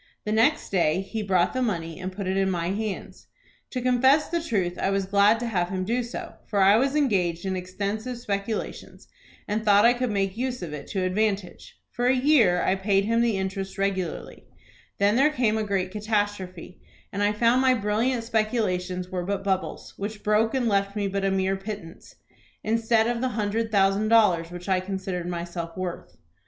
The next day he brought the money, and put it in my hands. To confess the truth I was glad to have him do so, for I was engaged in extensive speculations, and thought I could make use of it to advantage. For a year I paid him the interest regularly. Then there came a great catastrophe, and I found my brilliant speculations were but bubbles, which broke and left me but a mere pittance, instead of the hundred thousand dollars which I considered myself worth.